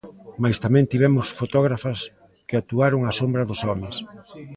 Mais tamén tivemos fotógrafas que actuaron á sombra dos homes.